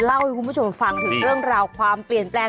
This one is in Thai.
เล่าให้คุณผู้ชมฟังถึงเรื่องราวความเปลี่ยนแปลง